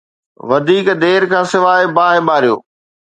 وڌيڪ دير کان سواءِ باهه ٻاريو.